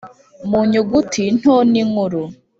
mu nyuguti nto n’inkuru;